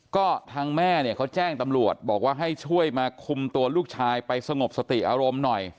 ก็ทางแม่เนี่ยเขาแจ้งตำรวจบอกว่าให้ช่วยมาคุมตัวลูกชายไปสงบสติอารมณ์หน่อย